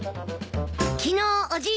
昨日おじい